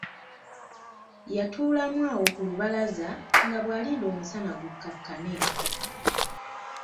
Yatuulamu awo ku lubalaza nga bw'alinda omusana gukkakkane.